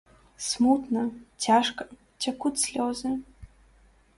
Смутна, цяжка, цякуць слёзы.